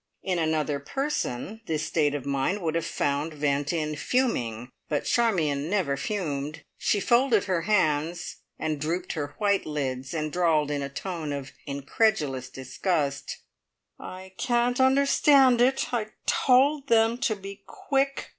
In another person this state of mind would have found vent in "fuming," but Charmion never fumed. She folded her hands, and drooped her white lids, and drawled in a tone of incredulous disgust: "I can't understand it. I told them to be quick.